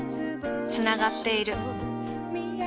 つながっている。